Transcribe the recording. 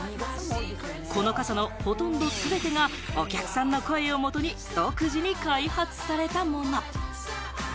この傘のほとんど全てがお客さんの声をもとに独自に開発されたもの。